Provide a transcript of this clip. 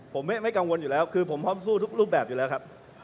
ผมไม่กังวลอยู่แล้วคือผมพร้อมสู้ทุกรูปแบบอยู่แล้วครับ